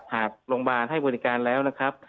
หากโรงพยาบาลให้บริการแล้วนะครับ